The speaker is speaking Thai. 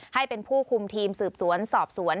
ให้เป็นผู้คุมทีมสืบสวนสอบสวน